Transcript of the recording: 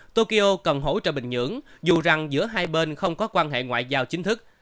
tokyo cần hỗ trợ bình nhưỡng dù rằng giữa hai bên không có quan hệ ngoại giao chính thức